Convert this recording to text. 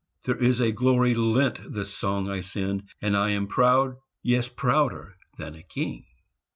There is a glory lent the song I send, And I am proud, yes, prouder than a king.